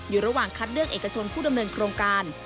ระหว่างคัดเลือกเอกชนผู้ดำเนินโครงการ